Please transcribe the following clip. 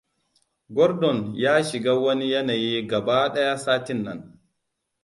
Gordon ya shiga wani yanayi gaba daya satin nan.